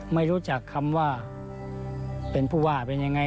ไม่รู้จักคำว่าเป็นผู้ว่าเป็นยังไง